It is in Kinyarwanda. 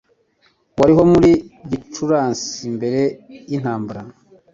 wariho muri Gicurasi mbere yintambara